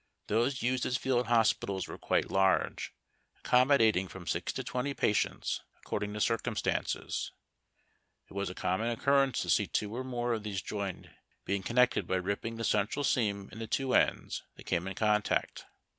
Those used as field hospitals were quite large, accommodating from six to twenty patients, according to circumstances. It was a common occurrence to see two or more of these joined, being connected by ripping the central seam in the two ends that came in contact.